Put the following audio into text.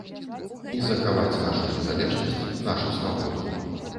І захаваць нашу незалежнасць, нашу свабоду.